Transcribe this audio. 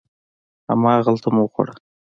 هماغه مو وخوړه.